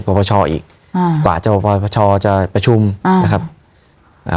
ส่งพระพระช่ออีกอ่ากว่าเจ้าพระพระช่อจะประชุมอ่านะครับอ่า